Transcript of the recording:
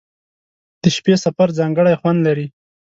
• د شپې سفر ځانګړی خوند لري.